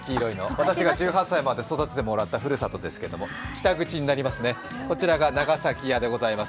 私が１８歳まで育ててもらったふるさとですけども、北口になりますね、こちらが長崎屋でございます。